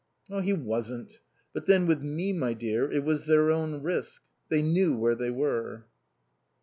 "He wasn't. But then, with me, my dear, it was their own risk. They knew where they were."